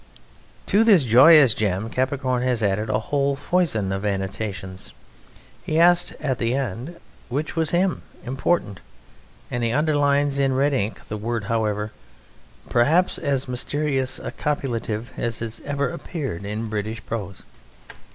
To this joyous gem Capricorn has added a whole foison of annotations. He asks at the end: "Which was 'him'? Important." And he underlines in red ink the word "however," perhaps as mysterious a copulative as has ever appeared in British prose.